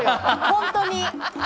本当に！